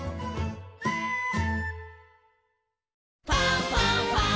「ファンファンファン」